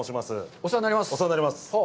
お世話になります。